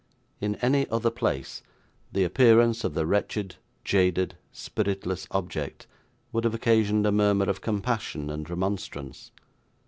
In any other place, the appearance of the wretched, jaded, spiritless object would have occasioned a murmur of compassion and remonstrance.